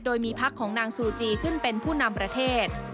โดยมีพักของนางซูจีขึ้นเป็นผู้นำประเทศ